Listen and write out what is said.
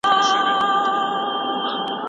د يوه اس خوب تښتولی و